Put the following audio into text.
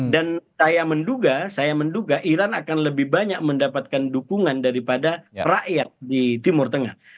saya menduga saya menduga iran akan lebih banyak mendapatkan dukungan daripada rakyat di timur tengah